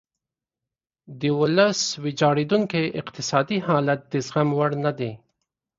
د ولس ویجاړیدونکی اقتصادي حالت د زغم وړ نه دی.